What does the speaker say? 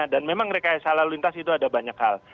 dan memang rekayasa lalu lintas itu ada banyak hal